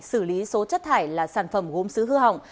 xử lý số chất thải là sản phẩm gốm xứ hư hỏng